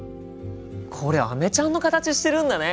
これアメちゃんの形してるんだね。